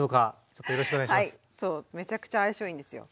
めちゃくちゃ相性いいんですよ。